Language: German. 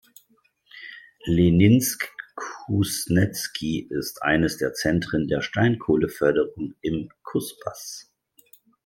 Leninsk-Kusnezki ist eines der Zentren der Steinkohleförderung im Kusbass.